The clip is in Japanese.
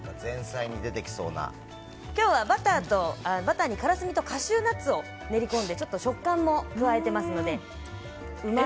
今日はバターに、からすみとカシューナッツを練り込んで食感も加えてますので。